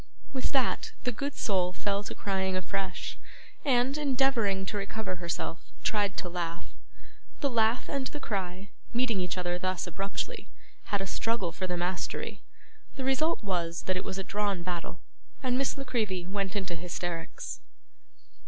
With that, the good soul fell to crying afresh, and, endeavouring to recover herself, tried to laugh. The laugh and the cry, meeting each other thus abruptly, had a struggle for the mastery; the result was, that it was a drawn battle, and Miss La Creevy went into hysterics.